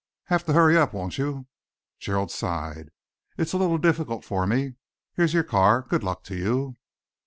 "Have to hurry up, won't you?" Gerald sighed. "It's a little difficult for me. Here's your car. Good luck to you!"